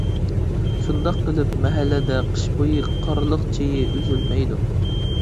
شۇنداق قىلىپ مەھەللىدە قىش بويى «قارلىق چېيى» ئۈزۈلمەيدۇ.